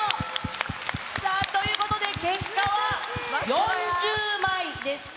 さあ、ということで結果は４０枚でした。